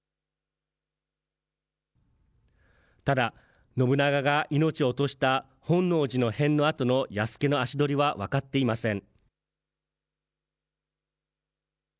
ただ、信長が命を落とした本能寺の変のあとの弥助の足取りは分かっていません。